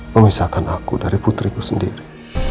memisahkan aku dari putriku sendiri